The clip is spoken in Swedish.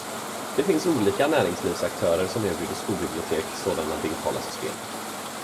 Det finns olika näringslivsaktörer som erbjuder skolbibliotek sådana digitala system.